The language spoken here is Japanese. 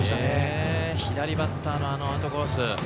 左バッターのアウトコース。